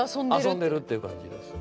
遊んでるっていう感じです。